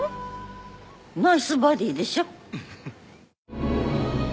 ナイスバディーでしょ。